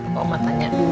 mama tanya dulu ya